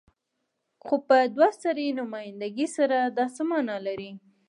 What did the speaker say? خو په دوه سري نمايندګۍ سره دا څه معنی لري؟